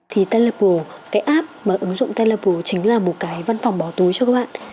thì telepro cái app mà ứng dụng telepro chính là một cái văn phòng bỏ túi cho các bạn